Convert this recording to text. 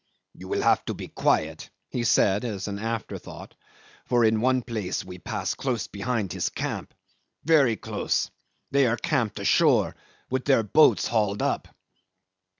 "You will have to be quiet," he said as an afterthought, "for in one place we pass close behind his camp. Very close. They are camped ashore with their boats hauled up."